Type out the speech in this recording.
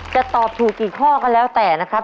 จะตอบถูกกี่ข้อก็แล้วแต่นะครับ